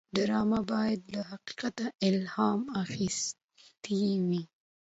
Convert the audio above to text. ډرامه باید له حقیقت الهام اخیستې وي